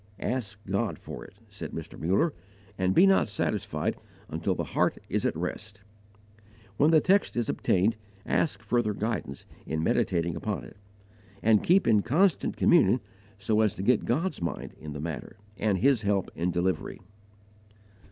"Ask God for it," said Mr. Muller, "and be not satisfied until the heart is at rest. When the text is obtained ask further guidance in meditating upon it, and keep in constant communion so as to get God's mind in the matter and His help in delivery.